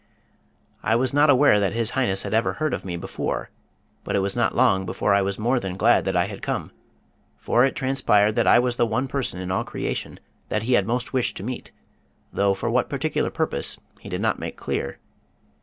I was not aware that His Highness had ever heard of me before, but it was not long before I was more than glad that I had come, for it transpired that I was the one person in all creation that he had most wished to meet, though for what particular purpose he did not make clear.